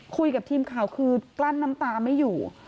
คุยกับทีมข่าวคือกลั้นน้ำตาไม่อยู่